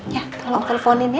ya tolong teleponin ya